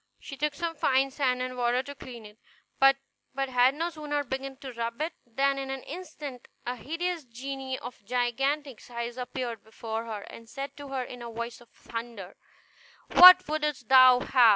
She took some fine sand and water to clean it; but had no sooner begun to rub it than in an instant a hideous genie of gigantic size appeared before her, and said to her in a voice of thunder, "What wouldst thou have?